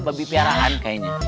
babi piarahan kayaknya